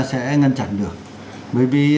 sẽ ngăn chặn được bởi vì